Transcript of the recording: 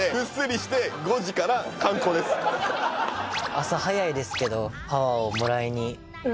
朝早いですけどパワーをもらいに。